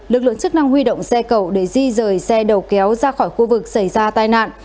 lực lượng chức năng huy động xe cầu để di rời xe đầu kéo ra khỏi khu vực xảy ra tai nạn